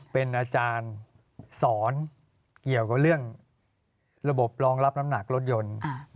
เป็นอาจารย์สอนเกี่ยวกับเรื่องระบบรองรับน้ำหนักรถยนต์